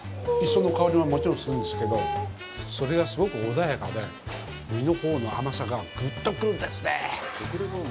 磯の香りがもちろんするんですけどそれがすごく穏やかで身のほうの甘さがぐっと来るんですね。